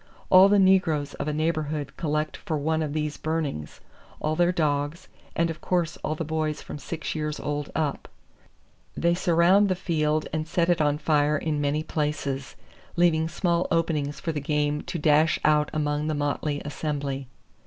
All the negroes of a neighborhood collect for one of these burnings, all their dogs, and of course all the boys from six years old up. They surround the field and set it on fire in many places, leaving small openings for the game to dash out among the motley assembly.